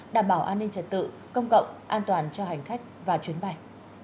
đảm bảo an ninh trật tự công cộng an toàn cho hành khách và chuyến bay